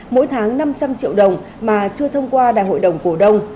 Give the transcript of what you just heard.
mỗi tháng năm trăm linh triệu đồng mà chưa thông qua đại hội đồng cổ đông